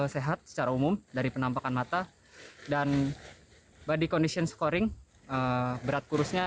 sehat secara umum dari penampakan mata dan body condition scoring berat kurusnya